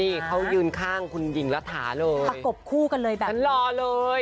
นี่เขายืนข้างคุณหญิงรัฐาเลยประกบคู่กันเลยแบบนั้นรอเลย